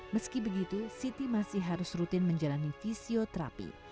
meski begitu siti masih harus rutin menjalani fisioterapi